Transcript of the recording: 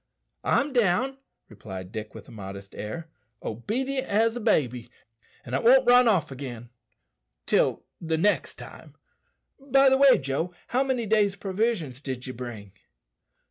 "I'm down," replied Dick, with a modest air, "obedient as a baby, and won't run off again till the next time. By the way, Joe, how many days' provisions did ye bring?"